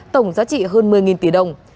tổng giá trị hơn một mươi tỷ đồng